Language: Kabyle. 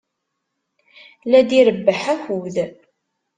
La d-irebbeḥ akud.